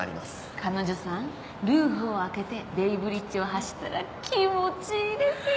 彼女さんルーフを開けてベイブリッジを走ったら気持ちいいですよ！